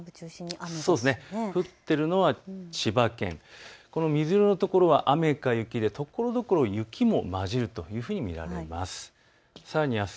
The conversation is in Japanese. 降っているのは千葉県、水色の所は雨か雪でところどころ雪も交じると見られます。